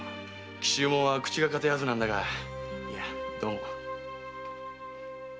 紀州もんは口が堅いはずなんだがいやどうも。